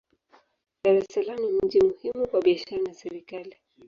Dar es Salaam ni mji muhimu kwa biashara na serikali.